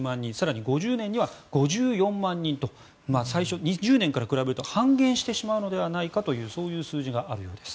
２０５０年には５４万人と最初、２０年から比べると半減してしまうのではないかというそういう数字があるようです。